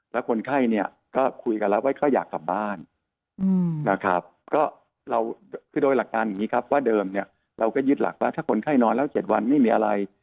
และคนไข้ก็คุยกันแล้วว่าเขาอยากกลับบ้านโดยหลักการอย่างนี้ครับว่าเดิมเราก็ยึดหลักว่าถ้าคนไข้นอนแล้ว๗วันไม่มีอะไร